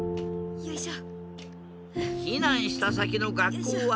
よいしょ。